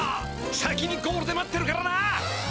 先にゴールで待ってるからな！